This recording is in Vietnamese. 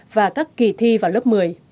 và các kỳ thi vào lớp một mươi